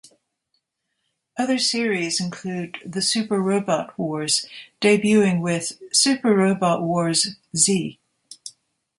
Other series include the Super Robot Wars, debuting with "Super Robot Wars Z".